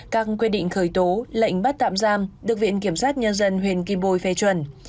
các quy định khởi tố lệnh bắt tạm giam được viện kiểm sát nhân dân huyện kim bồi phê chuẩn